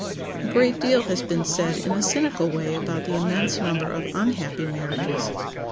A great deal has been said in a cynical way about the immense number of unhappy marriages.